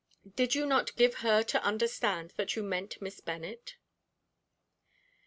Did you not give her to understand that you meant Miss Bennet?"